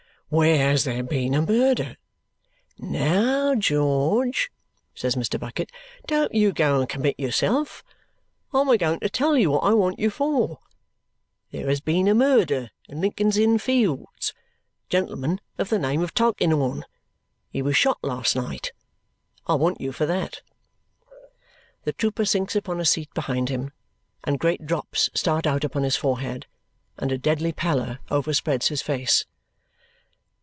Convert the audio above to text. Where has there been a murder?" "Now, George," says Mr. Bucket, "don't you go and commit yourself. I'm a going to tell you what I want you for. There has been a murder in Lincoln's Inn Fields gentleman of the name of Tulkinghorn. He was shot last night. I want you for that." The trooper sinks upon a seat behind him, and great drops start out upon his forehead, and a deadly pallor overspreads his face.